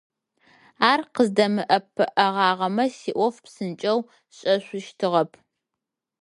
Ар къыздэмыӀэпыӀэгъагъэмэ, сиӀоф псынкӀэу сшӀэшъущтыгъэп.